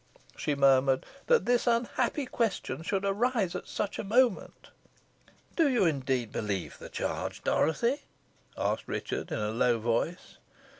she murmured, "that this unhappy question should arise at such a moment." "Do you indeed believe the charge, Dorothy?" asked Richard, in a low voice.